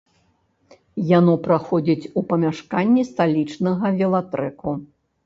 Яно праходзіць у памяшканні сталічнага велатрэку.